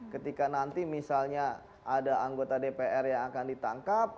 ketika nanti misalnya ada anggota dpr yang akan ditangkap